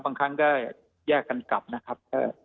บางครั้งก็แยกกันกลับนะครับ